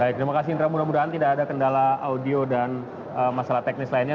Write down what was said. baik terima kasih indra mudah mudahan tidak ada kendala audio dan masalah teknis lainnya